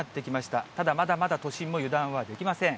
ただまだまだ都心も油断はできません。